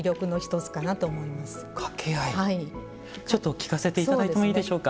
ちょっと聴かせて頂いてもいいでしょうか。